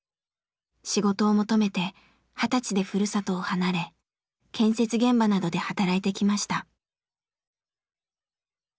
仕事を求めて二十歳でふるさとを離れ建設現場などで働いてきました。